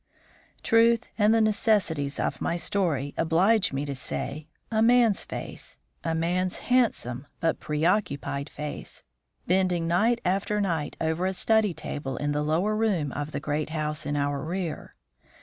Truth and the necessities of my story oblige me to say a man's face, a man's handsome but preoccupied face, bending night after night over a study table in the lower room of the great house in our rear.